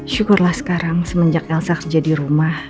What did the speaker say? syukurlah sekarang semenjak elsa kerja di rumah